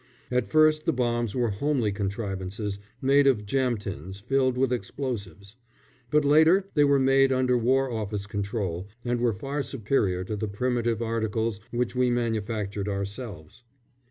At first the bombs were homely contrivances, made of jam tins filled with explosives; but later they were made under War Office control, and were far superior to the primitive articles which we manufactured ourselves.